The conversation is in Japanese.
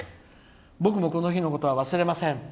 僕もこの日のことは忘れません。